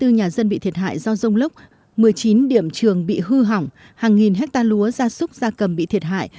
năm trăm chín mươi bốn nhà dân bị thiệt hại do rông lốc một mươi chín điểm trường bị hư hỏng hàng nghìn hecta lúa ra súc ra cầm bị thiệt hại